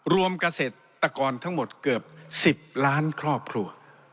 รวมเกษตรกรทั้งหมดเกือบ๑๐ล้านครอบครัว